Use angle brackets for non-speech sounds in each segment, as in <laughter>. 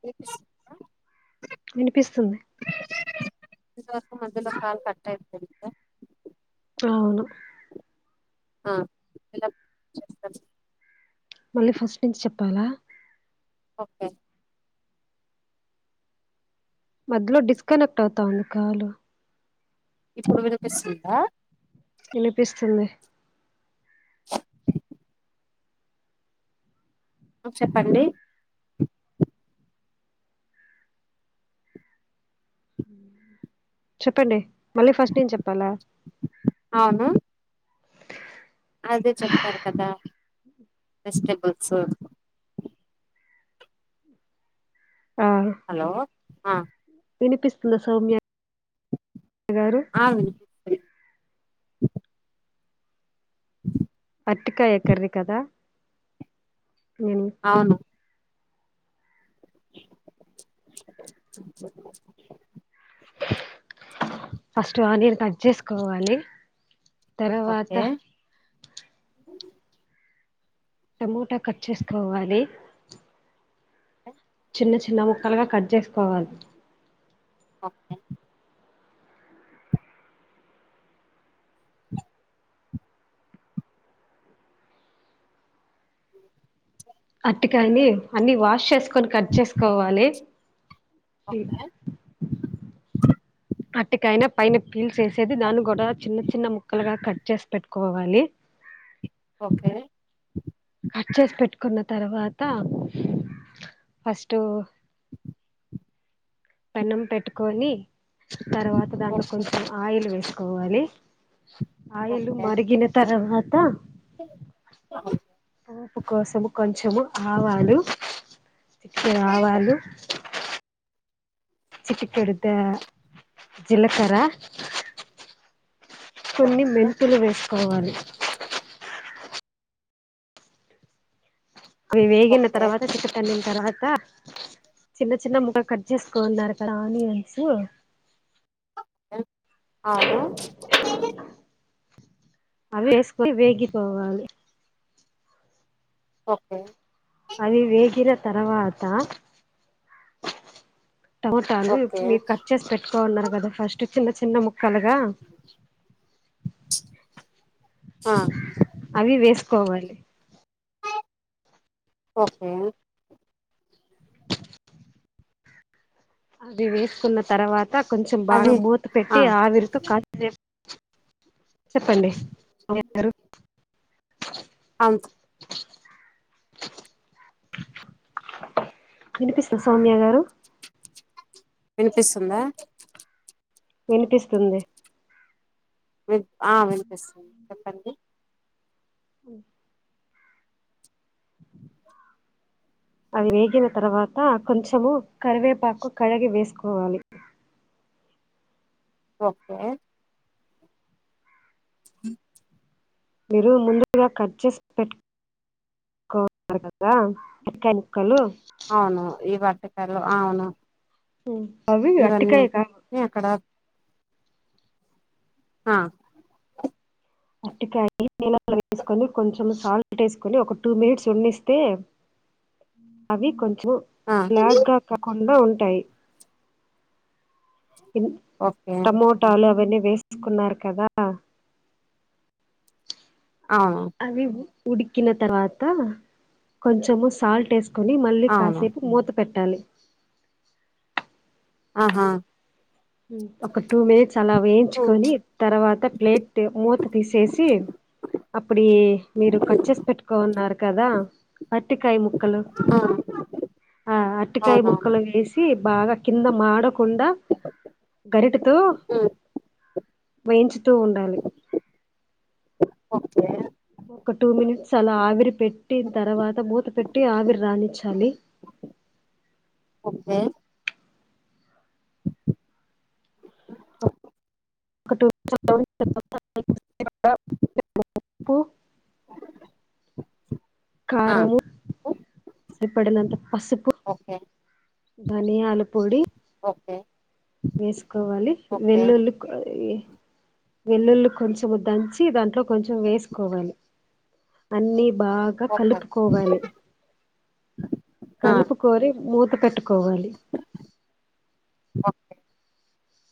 ఇనిపిస్తుందా వినిపిస్తుంది ఇంతవరకు మధ్యలో కాల్ కట్టయిపోయిందా అవును ఆ <unintelligible> చెప్పండి మళ్ళీ ఫస్ట్ నుంచి చెప్పాలా ఒక్కే మధ్యలో డిస్కనెక్ట్ అవుతాంది కాలు ఇప్పుడు వినిపిస్తుందా వినిపిస్తుంది చెప్పండి చెప్పండి మళ్ళీ ఫస్ట్ నుంచి చెప్పాలా అవును అదే చెప్తారు కదా వెజిటేబుల్సు ఆ హలో హా వినిపిస్తుందా సౌమ్య గారు ఆ విని పిస్తుంది పటికా ఎక్కరీ కదా నేను అవును ఫస్ట్ ఆనియన్ కట్ చేసుకోవాలి తర్వాత ఓకే టమోటా కట్ చేసుకోవాలి చిన్న చిన్న ముక్కలుగా కట్ చేసుకోవాలి అటు కాని అన్ని వాష్ చేసుకొని కట్ చేసుకోవాలి ఓకే అటికాైనా పైన పీల్ చేేసేది దాన్ని కూడా చిన్న చిన్న ముక్కలుగా కట్ చేసి పెట్టుకోవాలి ఓకే కట్ చేసి పెట్టుకున్న తర్వాత ఫస్ట్ పెన్నం పెట్టుకొని తర్వాత దాంట్లో ఓకే కొంచెం ఆయిల్ వేసు కోవాలి ఆయలు మరిగిన తర్వాత ఓకే ఆపు కోసము కొంచెము ఆవాలు చిక్కె ఆవాలు చ చిక్క కడ ద జలకర కొన్ని ఓకే మెంతులు వేసుకోవాలి అవి వేగిన ఓకే తర్వాత చిక్కతన్నిన తర్వాత చిన్న చిన్న ముఖ కట్ చేసుకోవాలన్నారు కక్కడ ఆనియన్స్ అవును అ వేసుక వేగిపోవాలి ఓకే అది వేగిర తర్వాత టమోటాలు ఓకే మీరు కట్ చేసి పెట్టుకో ఉన్నారు కదా ఫస్ట్ చిన్న చిన్న ముక్క కలగా ఆ కోవాలి ఓకే అది వేసుకున్న తర్వాత కొంచెం బాగా అది మూత ఆ పెట్టి ఆవిరితూ కపు చెప్పండిారు అంత వినిపిస్తుంది సౌమ్య గారు వినిపిస్తుందా వినిపిస్తుంది వి వినిపిస్తుంది చెప్పండి ఓ అది వేగిన తర్వాత కొంచెము కరివేపాకు కడిగి వేసుకోవాలి ఓకే అ మీరు ముందుగా కట్ చేసి పెట్టు కదా మెకానిక్కలు అవును ఈ వట్టకాయలు అవును అవి ఇవన్నీ అరటికాయ కాదు న అక్కడ ఆ అటికాయ నీలా వేసుకొని కొంచెం సాల్ట్ వేసుకొని ఒక టూ మినిట్స్ వండిస్తే అవి కొంచెం ఆ బ్లాక్ గా కాకుండా ఉంటాయి ఇన్ ఓకే టమోటాలు అవన్నీ వేసుకున్నారు కదా అవును అవి ఉ ఉడికిన తర్వాత కొంచము సాల్ట్ వేస్ కొన్ని మళ్ళీ అవును కాసేపు మూత పెట్టాలి ఆహా ఒక టూ మినిట్స్ అలా ఉమ్, వేయించుకొని తర్వాత ప్లేట్ మూత తీసేసి <unintelligible> ఇప్పుడు ఏ మీరు కట్ చేేసి పెట్టుకోన్నారు కదా అ అట్టికాయ ముక్కలు ఆ ఆ అట్టికాయ అవునవును ముక్కలు వేసి బాగా కింద మాడ కుండ గరిటతో ఉమ్, వేయించుతూ ఉండాలి ఓకే ఒక టూ మినిట్స్ అలా ఆవిరి పెట్టిన తర్వాత మూత పెట్టి ఆవిరి రాణించాలి ఓకే <inaudible> పు ఆ కారము ఉ- సరిపడినంత ఓకే ధనియాలు పొడి ఓకే వేసుకోవాలి ఓకే వెల్లుల్లి <unintelligible> వెల్లుల్లి కొంచెం దంచి దాంట్లో కొంచెం వేసుకోవాలి అన్ని బాగా ఓకే కలుపుకోవాలి ఆ కలుపుకొని మూత పెట్టుకోవాలి ఓ-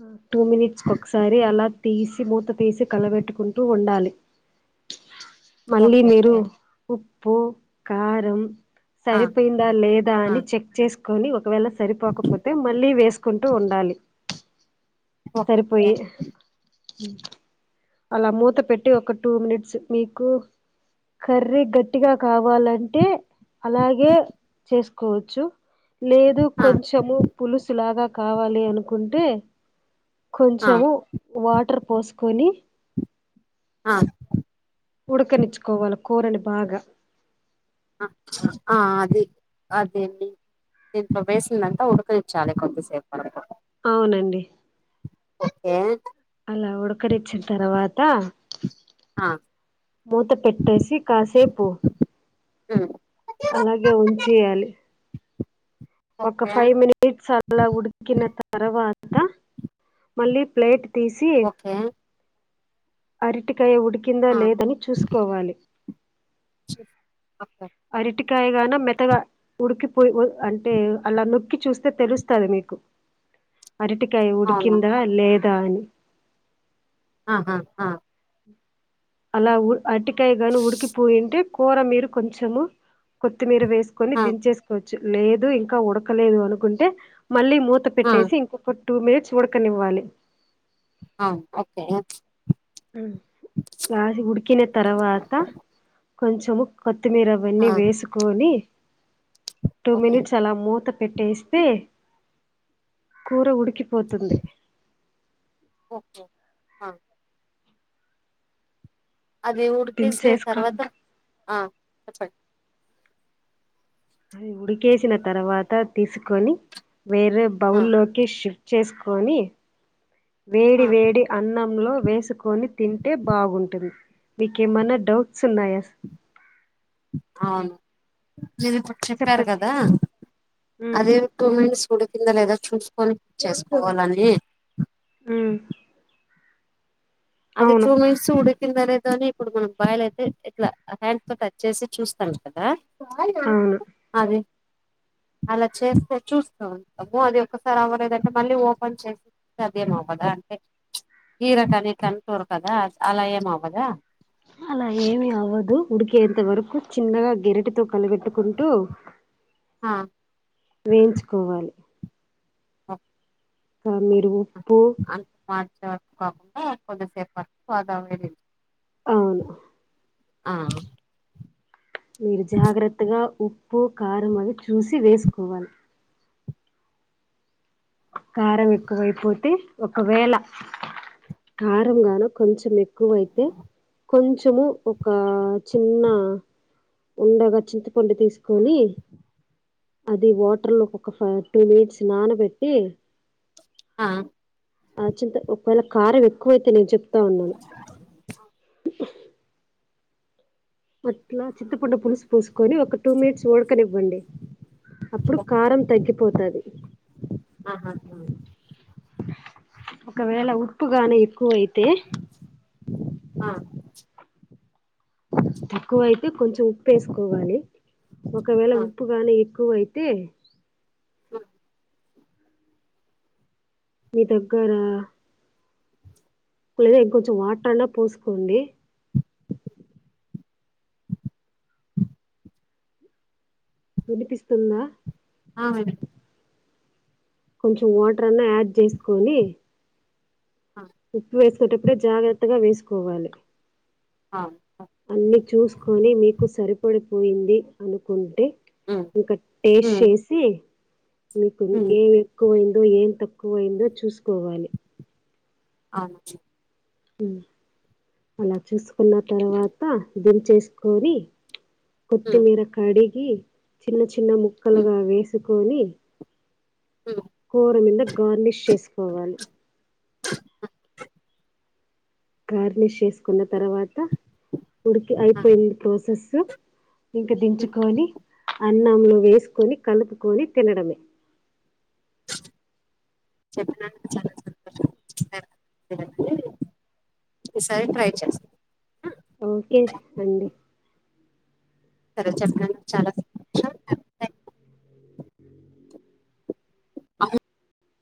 మ్మ్ టూ మినిట్స్ కి ఒకసారి అలా తీసి మూత తీసి కలపెట్టుకుంటూ ఉండాలి మళ్ళీ ఓకే మీరు ఓకే ఉప్పు కారం ఆ సరిపోయిందా లేదా ఆ అని చెక్ చేసుకొని ఒకవేళ సరిపోకపోతే మళ్ళీ వేసు కుంటూ ఉండాలి ఓకే సరిపోయి అలా మూత పెట్టి ఒక టూ మినిట్స్ మీకు కర్రీ గట్టిగా కావాలంటే అలాగే చేసుకోవచ్చు లేదు ఆ కొంచెము పులుసులాగా కావాలి అనుకుంటే ఆ కొంచెము వాటర్ పోసుకొని ఆ ఉడకనిచ్చుకోవాలి కూరని బాగా ఆ ఆ ఆ అదే అదేండి దీంట్లో వేసినదంత ఉడకనించాలి కొద్ది సేపు వరకు అవునండి ఓకే అలా ఉడకనిచ్చిన తర్వాత ఆ మూత పెట్టేసి కాసేపు ఉమ్. అలాగే వంచేయాలి ఒక ఓకే ఫైవ్ మినిట్స్ అలా ఉడికిన తర్వాత మళ్ళీ ప్లేట్ ఓకే అరిటికాయ ఉడికిందా ఆ లేదని చూసుకోవాలి అ అరటి కాయగాన మెత్తగా ఉడికిపోయి ఉడి అంటే అలా నొక్కి చూస్తే తెలుస్తాది మీకు టీక్. అరటికాయి ఉడికిందా లేదా అని ఆహా హా అలాఅరటికాయ గాని ఉడికిపోయింటే కూర మీరు కొంచము కొత్తిమీర వేస్ వేసుకొని ఆ దించేసుకోవచ్చు లేదు ఇంకా ఉడకలేదు అనుకుంటే. మళ్ళీ మూత ఆ పెట్టేసి ఇంకొక టూ మినిట్స్ ఉడకనివ్వాలి ఆ ఓకె హ్మ్ ఉడికిన తర్వాత కొంచము కొత్తిమీర అవన్నీ ఆ వేసుకొని టూ ఓకే మినిట్స్ అల మూత. పెట్టేస్తే కూర ఉడికిపోతుంది. ఓకే ఆ. అది ఉడికేసిన తర్వాత దించేసుకోను ఆ చెప్ అది ఉడికేసిన తర్వాత తీసుకొని వేరే ఆ బౌల్లోకి షిఫ్ చేసుకొని ఆ వేడి వేడి అన్నం. లో వేసుకొని తింటే బాగుంటుంది మీకేమన్నా డౌట్స్ ఉన్నాయ అవును. మీది ఇప్పుడు చెప్పారు చెప్పండి కదా ఉమ్ అది టూ <unintelligible> ఉడికిందా లేదా చూసుకొని చేసుకోవాలని. హు అది టూ మినిట్స్ ఉడికిందనే దాని ఇప్పుడు మనం బాయల్ అయితే ఇట్లా హ్యాండ్స్ తో టచ్ చేసి చూస్తాను కదా. అవును అది అలా చేస్తే చూస్తూ ఉంటాము అది ఒకసారి అవ్వ లేదు అంటే మళ్ళీ ఓపెన్ చేసి <unintelligible> అంటే <unintelligible> ఉడకదా కదా అలా ఏం‌ అవ్వదా. అలా ఏమి అవ్వదు ఉడుకెంత వరకు చిన్నగా గెరిటతో కలబెట్టుకుంటూ ఆ వేయించుకోవాలి. ఆ <unintelligible> మీరు. ఉప్పు <unintelligible> అవును. ఆ. మీరు జాగ్రత్తగ ఉప్పు కారం అవి చూసి వేసుకోవాలి. కారం ఎక్కువైపోతే ఒకవేళ కారం గాన కొంచం ఎ ఎక్కువైతే కొంచము ఒక చిన్న. ఉండగ చింతపండు తీసుకొని. అది వాటర్ లో ఒక టూ మినిట్స్ నానబెట్టి. ఆ ఆ చింత ఒకవేళ కారం ఎక్కువైతే నేను చె ఆ. అట్లా చింతపండు పులుసు పోసుకొని ఒక టూ మినిట్స్ ఉడక నివ్వండి అప్పుడు కారం తగ్గిపోతాది. ఆహా. ఒకవేళ ఉప్పుగానే ఎక్కువ అయితే. చు. తక్కువ అయితే కొంచం ఉప్పు వేసుకోవాలి ఒకవేళ ఆ ఉప్పు గాని ఎక్కువయితే అ మీ దగ్గరా లేదా ఇం కొంచెం వాటరైనా పోసుకోండి వినిపిస్తుందా ఆ విని కొంచెం వాటర్ అన్నా యాడ్ చేసుకొని ఆ ఉప్పు వేసుకుటప్పుడే జాగ్రత్తగా వేసుకోవాలి ఆ అన్ని చూసుకొని మీకు సరిపడిపోయింది అనుకుం టె ఉమ్ ఇంకా టేస్ట్ ఉమ్ చేసి మీకు ఉమ్ ఏం ఎక్కువైందో ఏం తక్కువైందో చూసుకోవాలి అ <inaudible> హ్మ్ అలా చూసుకున్న తర్వాత దిన్చేేసుకొని ఉమ్ కొత్తిమీర కడిగి చిన్న చిన్న ఉమ్ ముక్కలుగా వేసుకొని ఉమ్ కూర మింద గార్నిష్ చేసుకోవాలి కార్నిష్ చేసుకున్న తర్వాత ఉడికి ఆ అయిపోయింది ప్రాసెస్సు ఇంక ఉమ్ దించుకొని అన్నంలో వేసుకొని కలుపుకొని తినడమే చెప్పిన <unintelligible> చాలా సంతోషం <inaudible> ఈ సారి ట్రై చేస్తా <inaudible> ఓకే అండి సరే చెప్పడానికి చాలా సంతోషం <inaudible>